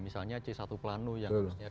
misalnya c satu plano yang harusnya